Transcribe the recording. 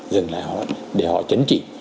dừng lại để họ chấn trị